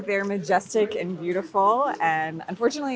saya pikir mereka maju dan indah